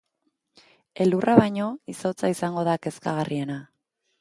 Elurra baino, izotza izango da kezkagarriena.